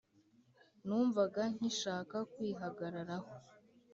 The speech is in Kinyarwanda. numvaga nkishaka kwihagararaho.